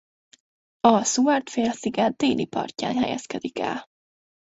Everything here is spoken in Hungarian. A Seward-félsziget déli partján helyezkedik el.